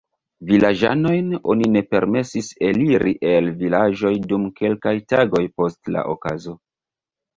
Vilaĝanojn oni ne permesis eliris el vilaĝoj dum kelkaj tagoj post la okazo.